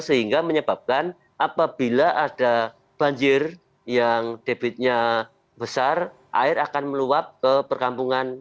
sehingga menyebabkan apabila ada banjir yang debitnya besar air akan meluap ke perkampungan